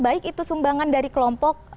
baik itu sumbangan dari kelompok